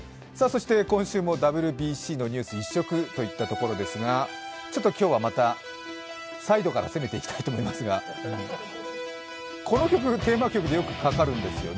今週もＷＢＣ一色といったニュースですが、今日はサイドから攻めていきますがこの曲、テーマ曲でよくかかるんですよね。